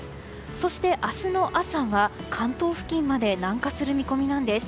そして、明日の朝は関東付近まで南下する見込みなんです。